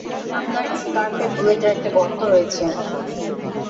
আপনার স্কার্ফে, বুলেটের একটা গর্ত রয়েছে।